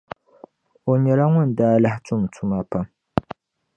O lahi nyɛla ŋun daa lahi tum tuma pam.